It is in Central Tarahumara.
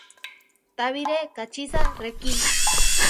Tabiré kachisa reki.